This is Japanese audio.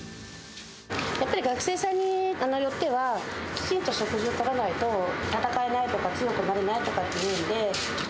やっぱり学生さんによっては、きちんと食事をとらないと、戦えないとか、強くなれないとかっていうので。